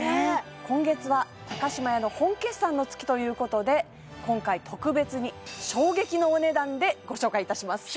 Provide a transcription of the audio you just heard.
今月は島屋の本決算の月ということで今回特別に衝撃のお値段でご紹介いたします